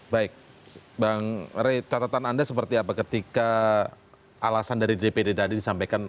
baik bang rey catatan anda seperti apa ketika alasan dari dpd tadi disampaikan